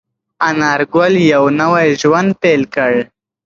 انارګل یو نوی ژوند پیل کړ.